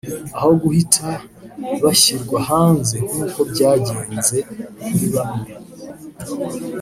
aho guhita bashyirwa hanze nk’uko byagenze kuri bamwe